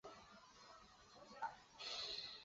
斑眼蝶属是蛱蝶科眼蝶亚科帻眼蝶族中的一个属。